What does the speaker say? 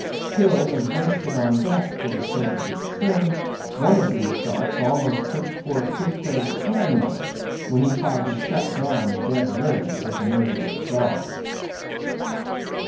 Killed and hoisted on deck for the sake of his skin, one of these sharks almost took poor Queequeg's hand off, when he tried to shut down the dead lid of his murderous jaw.